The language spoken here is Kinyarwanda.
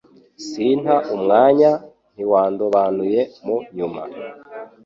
Sinta umwanya, Ntiwandobanuye mu nyuma.